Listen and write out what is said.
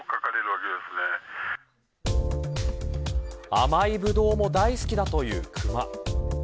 甘いブドウも大好きだというクマ。